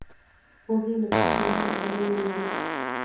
وزې له کوچنیانو سره مینه لري